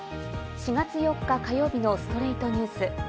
４月４日、火曜日の『ストレイトニュース』。